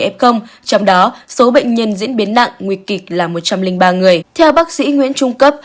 năm trăm một mươi f trong đó số bệnh nhân diễn biến nặng nguy kịch là một trăm linh ba người theo bác sĩ nguyễn trung cấp